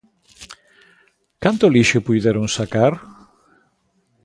Canto lixo puideron sacar?